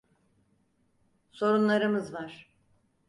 Sorunlarımız var.